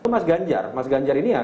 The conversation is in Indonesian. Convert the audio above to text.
mas ganjar mas ganjar ini ya